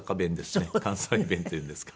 関西弁っていうんですか。